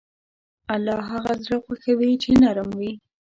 الله هغه زړه خوښوي چې نرم وي.